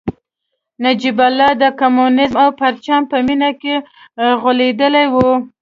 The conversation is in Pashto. نجیب الله د کمونیزم او پرچم په مینه کې غولېدلی و